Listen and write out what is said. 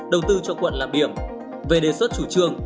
đầu tư cho quận làm điểm về đề xuất chủ trương